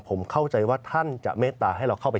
ผมเข้าใจว่าท่านจะเมตตาให้เราเข้าไป